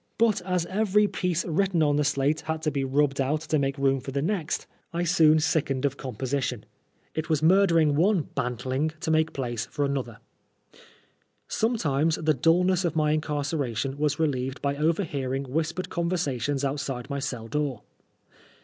But as every piece written on the slate had to be rubbed out to make room for the next, I soon 138 PRISONEB FOB BLASPHEMY. sickened of composition. It was murdering one bant* ling to make place for another. Sometimes the dnlness of my incarceration was re Heved by overhearing whispered conversations outside my cell door.